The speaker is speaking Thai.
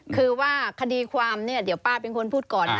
คือว่าคดีความเนี่ยเดี๋ยวป้าเป็นคนพูดก่อน